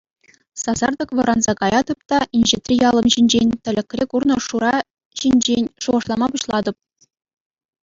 Сасартӑк вӑранса каятӑп та инҫетри ялӑм ҫинчен, тӗлӗкре курнӑ Шура ҫинчен шухӑшлама пуҫлатӑп.